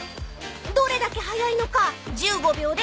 ［どれだけ早いのか１５秒で］